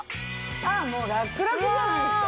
ああもうラックラクじゃないですか。